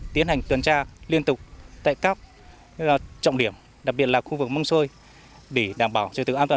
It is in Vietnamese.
tiến hành tuyên tra liên tục tại các trọng điểm đặc biệt là khu vực mông xôi để đảm bảo trực tự an toàn